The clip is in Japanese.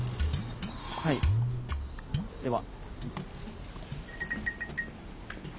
はいでは。